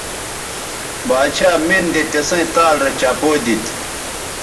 باڇھا مِن دے تِسیئں تال رے چپو دیتھ